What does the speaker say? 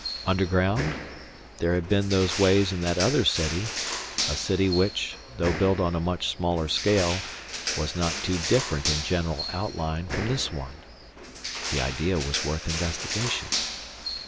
Underground? There had been those ways in that other city, a city which, though built on a much smaller scale, was not too different in general outline from this one. The idea was worth investigation.